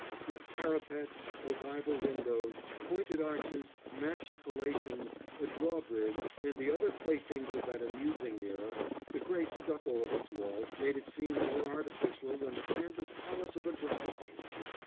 With parapets, ogival windows, pointed arches, machicolations, a draw bridge, and the other playthings of that amusing era, the grey stucco of its walls made it seem more artificial than the canvas palace of a drop scene.